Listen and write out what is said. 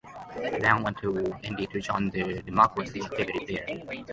He then went to India to join the democracy activists there.